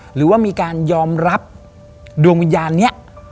หรือว่ามีการยอมรับดวงวิญญาณนี้